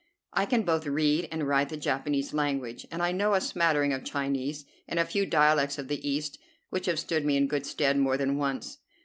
I can both read and write the Japanese language, and I know a smattering of Chinese and a few dialects of the East, which have stood me in good stead more than once.